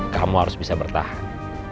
kamu harus bisa bertahan